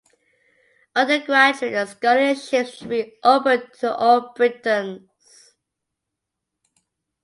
Undergraduate scholarships should be open to all Britons.